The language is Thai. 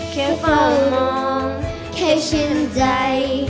แค่เฝ้ามองแค่ชื่นใจ